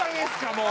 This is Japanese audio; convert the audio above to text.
もう。